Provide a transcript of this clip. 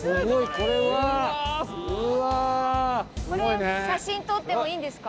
これ写真撮ってもいいんですか？